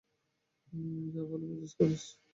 যা ভালো বুঝিস কর।